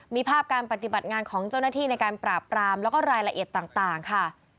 มีภาพการปฏิบัติงานของเจ้าหน้าที่ในการปราบปรามแล้วก็รายละเอียดต่างค่ะ